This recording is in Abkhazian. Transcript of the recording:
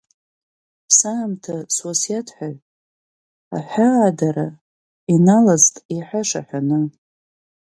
Саамҭасуасиаҭҳәаҩ аҳәаадара иналаӡт иаҳәаша ҳәаны.